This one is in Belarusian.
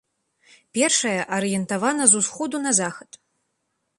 Першая арыентавана з усходу на захад.